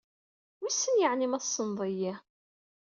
Wissen yeɛni ma tessneḍ-iyi?